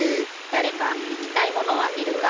だれかいきたいものはいるか？